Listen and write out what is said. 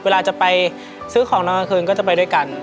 เวลาจะไปซื้อของนอนกลางคืนก็จะไปด้วยกัน